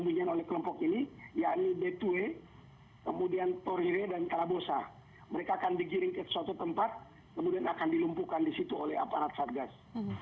mereka akan digiring ke suatu tempat kemudian akan dilumpuhkan di situ oleh aparat satgas